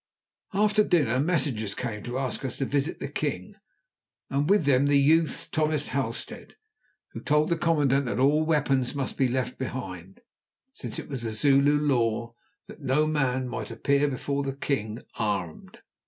After dinner messengers came to ask us to visit the king, and with them the youth, Thomas Halstead, who told the commandant that all weapons must be left behind, since it was the Zulu law that no man might appear before the king armed.